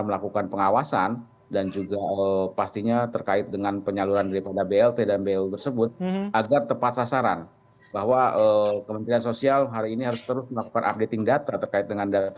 mereka juga tepat sasaran